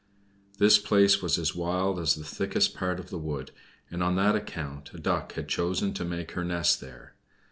This place was as wild as the thickest part of the wood, and on that account a Duck had chosen to make her nest there.